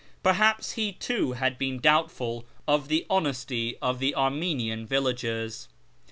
Terliaps he too had been doubtful of the honesty of the Armenian villagers.